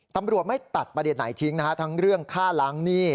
ตำรวจไม่ตัดประเด็นไหนทิ้งนะฮะทั้งเรื่องค่าล้างหนี้